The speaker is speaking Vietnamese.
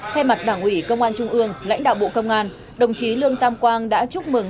thay mặt đảng ủy công an trung ương lãnh đạo bộ công an đồng chí lương tam quang đã chúc mừng